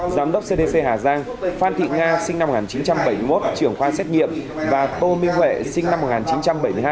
giám đốc cdc hà giang phan thị nga sinh năm một nghìn chín trăm bảy mươi một trưởng khoa xét nghiệm và tô minh huệ sinh năm một nghìn chín trăm bảy mươi hai